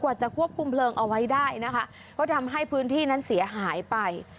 จะควบคุมเพลิงเอาไว้ได้นะคะก็ทำให้พื้นที่นั้นเสียหายไป